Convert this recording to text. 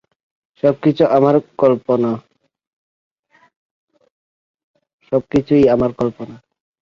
সবকিছুই আমার কল্পনা।